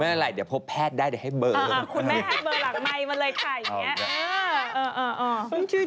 คุณก้อยดูเหมือนเดิมแต่ว่าดูมีน้ำมีนวลขึ้น